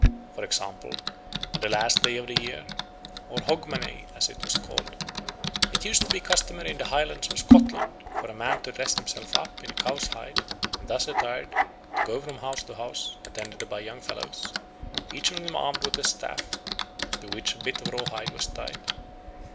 For example, on the last day of the year, or Hogmanay as it was called, it used to be customary in the Highlands of Scotland for a man to dress himself up in a cow's hide and thus attired to go from house to house, attended by young fellows, each of them armed with a staff, to which a bit of raw hide was tied.